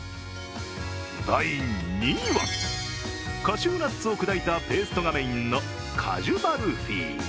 第２位は、カシューナッツを砕いたペーストがメインのカジュバルフィ。